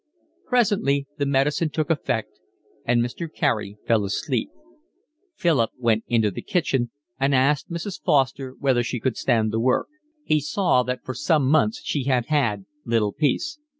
Presently the medicine took effect and Mr. Carey fell asleep. Philip went into the kitchen and asked Mrs. Foster whether she could stand the work. He saw that for some months she had had little peace.